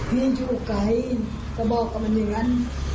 พี่ชุกไกรจะบอกกับมันอย่างนั้น